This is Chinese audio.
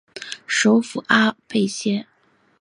首府阿贝歇。